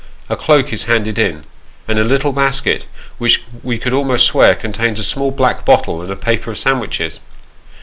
A cloak is handed in, and a little basket, which we could almost swear contains a small black bottle, and a paper of sandwiches.